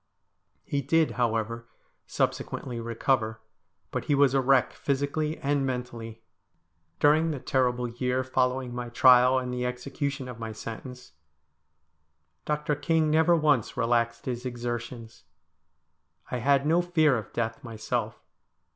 He did, however, subsequently recover, but he was a wreck, physically and mentally. During the terrible year following my trial and the execution of my sentence, Dr. King never once relaxed his exertions. I had no fear of death myself.